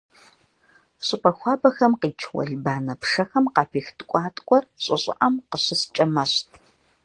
ЩӀыпӀэ хуабэхэм къикӀ уэлбанэ пшэхэм къапих ткӀуаткӀуэр щӀы щӀыӀэм къыщыскӀэ мэщт.